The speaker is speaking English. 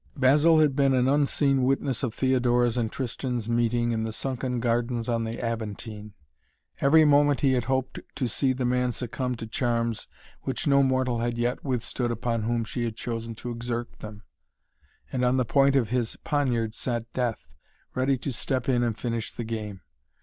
Basil had been an unseen witness of Theodora's and Tristan's meeting in the sunken gardens on the Aventine. Every moment he had hoped to see the man succumb to charms which no mortal had yet withstood upon whom she had chosen to exert them, and on the point of his poniard sat Death, ready to step in and finish the game.